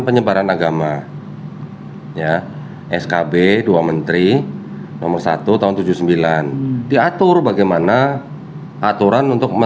penyebaran agama ya skb dua menteri nomor satu tahun seribu sembilan ratus tujuh puluh sembilan diatur bagaimana aturan untuk